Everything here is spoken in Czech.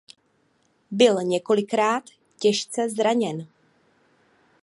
Byl několikrát těžce zraněn.